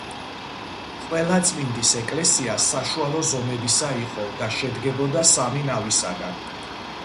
ყველაწმინდის ეკლესია საშუალო ზომებისა იყო და შედგებოდა სამი ნავისაგან.